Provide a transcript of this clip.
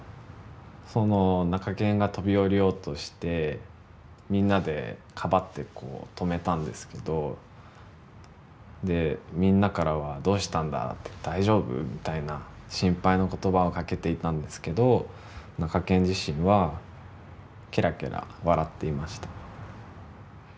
そのなかけんが飛び降りようとしてみんなでかばってこう止めたんですけどでみんなからは「どうしたんだ大丈夫？」みたいな心配の言葉をかけていたんですけどなかけん自身はけらけら笑っていました。